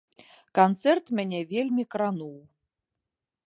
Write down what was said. Канцэрт мяне вельмі крануў.